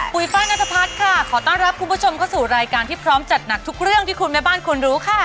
ป้านัทพัฒน์ค่ะขอต้อนรับคุณผู้ชมเข้าสู่รายการที่พร้อมจัดหนักทุกเรื่องที่คุณแม่บ้านคุณรู้ค่ะ